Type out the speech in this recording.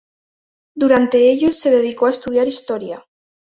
Durante ellos, se dedicó a estudiar Historia.